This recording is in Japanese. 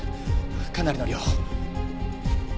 かなりの量。